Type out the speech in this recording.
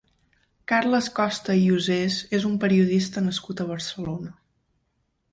Carles Costa i Osés és un periodista nascut a Barcelona.